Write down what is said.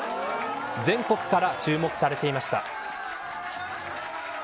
全国から注目されていました。